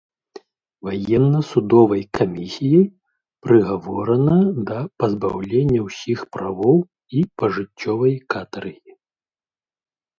Ваенна-судовай камісіяй прыгаворана да пазбаўлення ўсіх правоў і пажыццёвай катаргі.